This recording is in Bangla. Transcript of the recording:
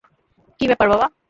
কী ব্যাপার, বাবা?